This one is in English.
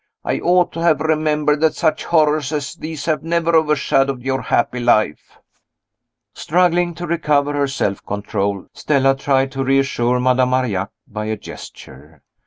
I ought to have remembered that such horrors as these have never overshadowed your happy life!" Struggling to recover her self control, Stella tried to reassure Madame Marillac by a gesture.